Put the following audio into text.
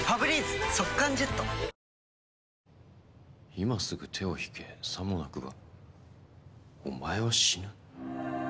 「今すぐ手を引け」「さもなくばお前は死ぬ」